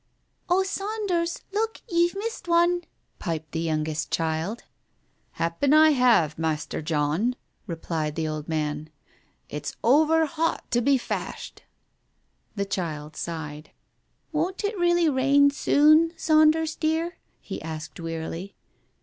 "Oh, Saunders, look, ye've missed one!" piped the youngest child. "Happen I have, Master John," replied the old man. " It's ower hot to be fashed !" The child sighed. "Won't it really rain soon, Saunders dear ?" he asked wearily.